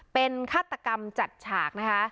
เป็นฆาตกรรมจัดฉากนะคะ